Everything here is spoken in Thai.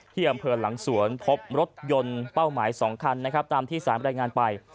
ที่อำเภอหลังสวนพบรถยนต์เป้าหมาย๒คันนะครับตามที่สารบรรยายงานไป